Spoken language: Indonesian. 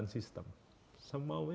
delapan sistem semuanya